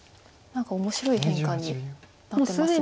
何か面白い変化になってます。